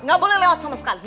nggak boleh lewat sama sekali